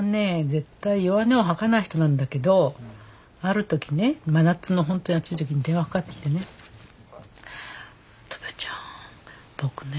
絶対弱音を吐かない人なんだけどある時ね真夏のほんとに暑い時に電話かかってきてね「乙部ちゃん僕ねつらいんだよね」